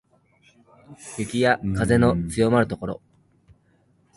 雪や風の強まる所